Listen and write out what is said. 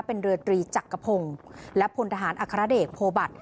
เป็นเรือตรีจักรพงศ์และพลทหารอัครเดชโพบัตร